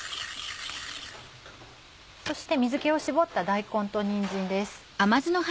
そして水気を絞った大根とにんじんです。